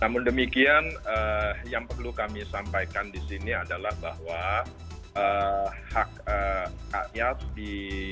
namun demikian yang perlu kami sampaikan di sini adalah bahwa hak rakyat di